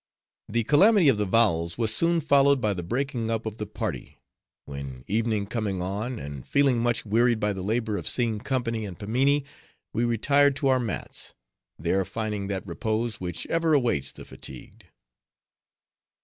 The calamity of the Vowels was soon followed by the breaking up of the party; when, evening coming on, and feeling much wearied with the labor of seeing company in Pimminee, we retired to our mats; there finding that repose which ever awaits the fatigued.